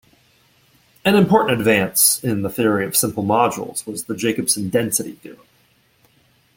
An important advance in the theory of simple modules was the Jacobson density theorem.